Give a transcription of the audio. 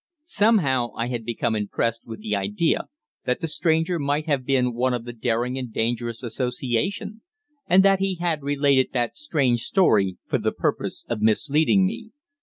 Somehow I had become impressed with the idea that the stranger might have been one of the daring and dangerous association, and that he had related that strange story for the purpose of misleading me.